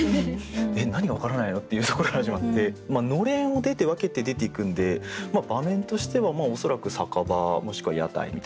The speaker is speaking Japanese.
「えっ何がわからないの？」っていうところから始まってのれんを出て分けて出ていくんで場面としてはおそらく酒場もしくは屋台みたいな。